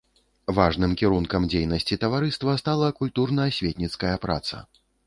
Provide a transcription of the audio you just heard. Важным кірункам дзейнасці таварыства стала культурна-асветніцкая праца.